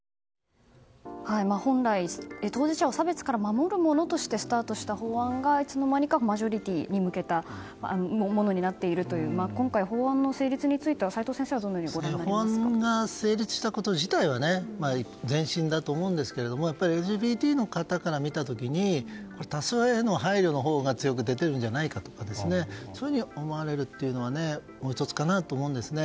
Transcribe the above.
本来、当事者を差別から守るものとしてスタートした法案がいつの間にかマジョリティーに向けたものになっているという今回、法案の成立については齋藤先生は法案が成立したこと自体は前進だと思うんですけれどもやっぱりＬＧＢＴの方から見た時にこれは多数派への配慮のほうが強く出ているのではないかとかそう思われるのはもう１つかなと思うんですね。